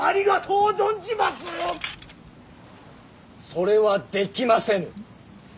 それはできませぬ。